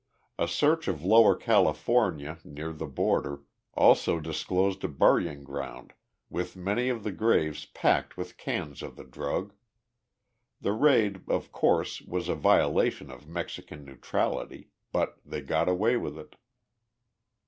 A search of Lower California, near the border, also disclosed a burying ground with many of the graves packed with cans of the drug. The raid, of course, was a violation of Mexican neutrality but they got away with it."